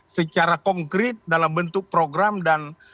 secara konkret dalam bentuk program dan